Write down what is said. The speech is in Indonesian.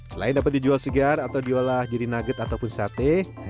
selain dapat dijual segar atau diolah jadi nugget ataupun sate